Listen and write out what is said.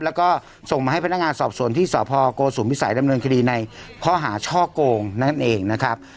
แล้วก็ส่งมาให้พนักงานสอบสวนที่สพโกสุมพิสัยดำเนินคดีในข้อหาช่อโกงนั่นเองนะครับ